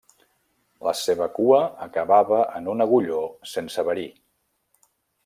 La seva cua acabava en un agulló sense verí.